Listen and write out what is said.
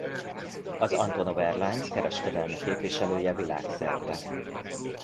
Az Antonov Airlines kereskedelmi képviselője világszerte.